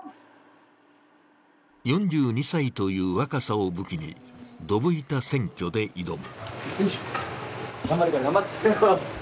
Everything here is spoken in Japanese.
４２歳という若さを武器にどぶ板選挙で挑む。